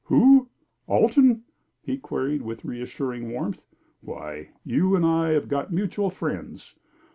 "Who Alton?" he queried, with reassuring warmth. "Why, you and I have got mutual friends.